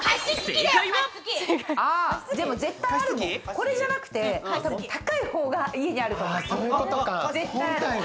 これじゃなくて、高い方が家にあると思う。